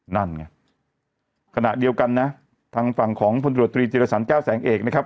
นั่นไงขณะเดียวกันนะทางฝั่งของพลตรวจตรีจิรสันแก้วแสงเอกนะครับ